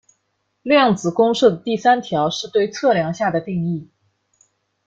量子公设的第三条是对测量下的定义。